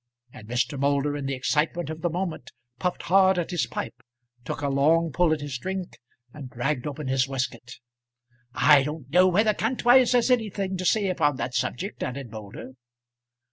And Mr. Moulder in the excitement of the moment puffed hard at his pipe, took a long pull at his drink, and dragged open his waistcoat. "I don't know whether Kantwise has anything to say upon that subject," added Moulder.